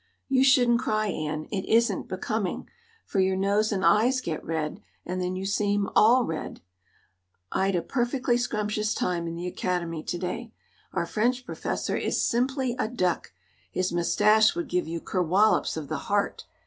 You shouldn't cry, Anne; it isn't becoming, for your nose and eyes get red, and then you seem all red. I'd a perfectly scrumptious time in the Academy today. Our French professor is simply a duck. His moustache would give you kerwollowps of the heart.